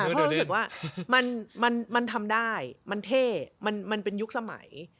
เพราะรู้สึกว่ามันทำได้มันเท่มันเป็นยุคสมัย